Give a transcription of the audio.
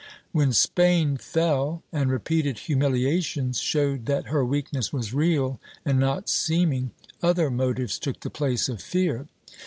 When Spain fell, and repeated humiliations showed that her weakness was real and not seeming, other motives took the place of fear.